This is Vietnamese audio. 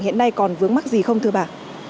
hiện nay còn vướng mắt gì không thưa bà